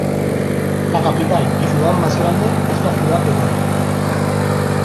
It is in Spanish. La capital y ciudad más grande es la ciudad de Gori.